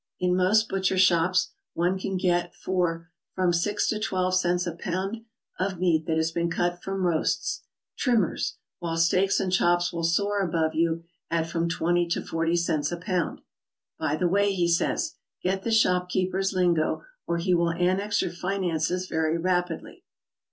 In most butcher shops one can get for from 6 to 12 cents a pound of meat that has been cut from roasts, "trimmers," while steaks and chops will soar above you at from 20 to 40 cents a pound. "By the way," he says, "get the shopkeepers lingo or he will annex your finances very rapidly."